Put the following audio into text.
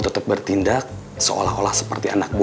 kamu dendam sama orang yang nyopet kamu